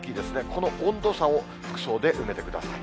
この温度差を服装で埋めてください。